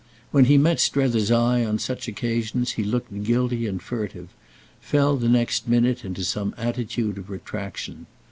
When he met Strether's eye on such occasions he looked guilty and furtive, fell the next minute into some attitude of retractation.